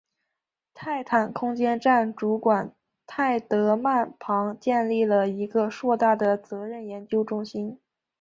泰坦空间站主管泰德曼旁建立了一个硕大的责任研究中心。